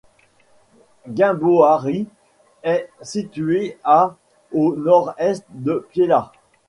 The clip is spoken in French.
Guimboari est situé à au Nord-Est de Piéla.